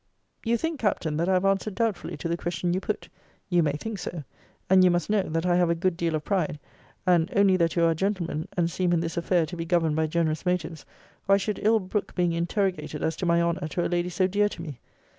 You think, Captain, that I have answered doubtfully to the question you put. You may think so. And you must know, that I have a good deal of pride; and, only that you are a gentleman, and seem in this affair to be governed by generous motives, or I should ill brook being interrogated as to my honour to a lady so dear to me.